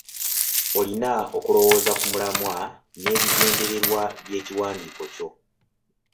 Olina okulowooza ku mulamwa n'ebigendererwa by'ekiwandiiko kyo.